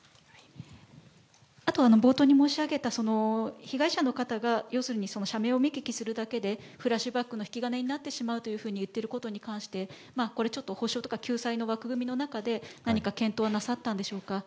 あと、冒頭に申し上げた被害者の方が要するに、社名を見聞きするだけで、フラッシュバックの引き金になってしまうというふうにいってることに関して、これちょっと、補償とか救済の枠組みの中で何か検討なさったんでしょうか。